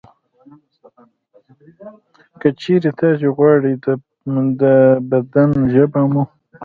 که چېرې تاسې غواړئ چې د بدن ژبه مو